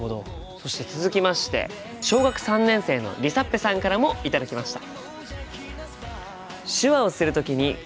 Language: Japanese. そして続きまして小学３年生のりさっぺさんからも頂きました。